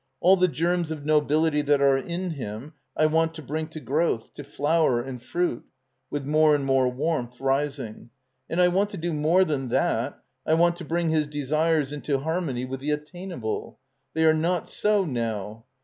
All the germs of nobility that are in him I want to bring to growth — to flower and fruit. [With more and more warmth, rising.] And I want to do more than that. I^ want tQ bring his desires into harmony with the attainable. They are not so now.